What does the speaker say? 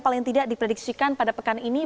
paling tidak diprediksikan pada pekan ini